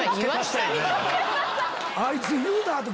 あいつ言うた後。